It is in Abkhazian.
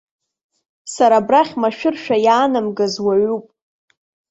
Сара абрахь машәыршәа иаанамгаз уаҩуп.